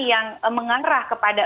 yang mengarah kepada